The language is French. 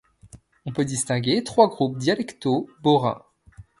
On peut distinguer trois groupes dialectaux borains.